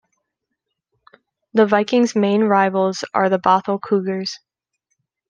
The Vikings' main rivals are the Bothell Cougars.